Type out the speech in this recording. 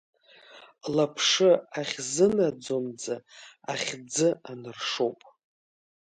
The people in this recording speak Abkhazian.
Лаԥшы ахьзынаӡонӡа ахьӡы аныршоуп.